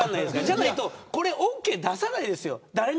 じゃないとオーケー出さないですよ。